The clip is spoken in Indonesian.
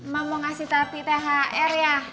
mak mau ngasih tapi thr ya